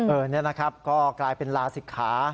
เออนี่นะครับก็กลายเป็นลาศิษย์ค่ะ